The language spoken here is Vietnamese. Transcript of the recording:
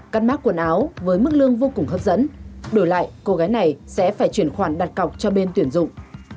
cắt mắt quần áo với mức lương vô cùng hấp dẫn đổi lại cô gái này sẽ phải chuyển khoản đặt cọc cho bên tuyển dụng